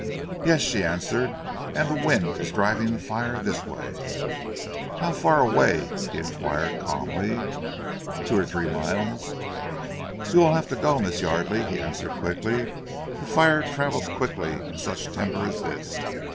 "Yes," she answered, "and the wind is driving the fire this way." "How far away?" he inquired calmly. "Two or three miles." "You will have to go, Miss Yardely," he answered quickly. "The fire travels quickly in such timber as this.